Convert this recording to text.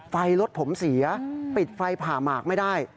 ไฟรถผมเสียปิดไฟผ่าหมากไม่ได้